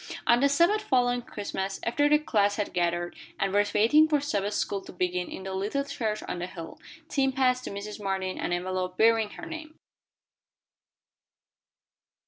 On the Sabbath following Christmas, after the class had gathered, and were waiting for Sabbath school to begin in the little church on the hill, Tim passed to Mrs. Martin an envelope bearing her name.